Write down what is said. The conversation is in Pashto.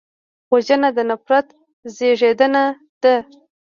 وژنه د نفرت زېږنده ده